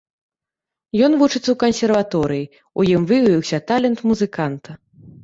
Ён вучыцца ў кансерваторыі, у ім выявіўся талент музыканта.